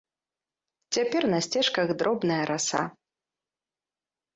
Цяпер на сцежках дробная раса.